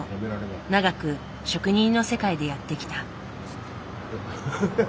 長く職人の世界でやってきた。